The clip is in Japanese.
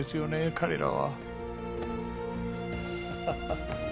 彼らは。